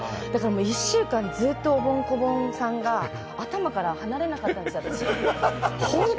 １週間ずっと、おぼん・こぼんさんが頭から離れなかったです。